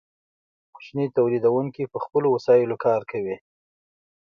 کوچني تولیدونکي په خپلو وسایلو کار کوي.